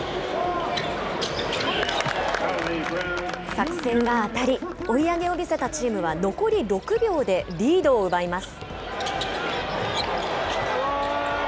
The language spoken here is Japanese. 作戦は当たり、追い上げを見せたチームは残り６秒でリードを奪います。